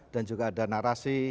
dan juga ada narasi